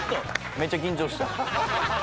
めっちゃ緊張して。